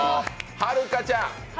はるかちゃん。